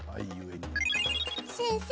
先生